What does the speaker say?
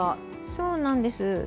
そうなんです。